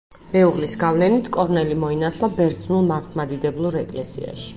მეუღლის გავლენით, კორნელი მოინათლა ბერძნულ მართლმადიდებლურ ეკლესიაში.